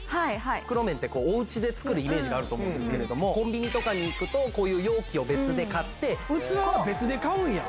袋麺っておうちで作るイメージがあると思うんですけど、コンビニとかに行くと、器は別で買うんや。